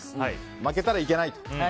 負けたらいけないと。